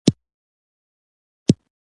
باسواده نجونې د ناروغیو مخنیوی کوي.